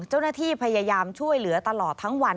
เจ้าหน้าที่พยายามช่วยเหลือตลอดทั้งวัน